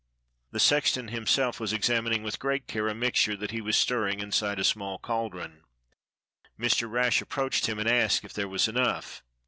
The sexton himself was examining with great care a mixture that he was stirring inside a small cauldron. Mr. Rash approached him and asked if there was enough.